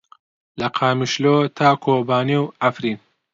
لە قامیشلۆ تا کۆبانێ و عەفرین.